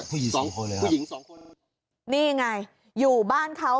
ผู้หญิงสองคนแล้วผู้หญิงสองคนนี่ไงอยู่บ้านเขา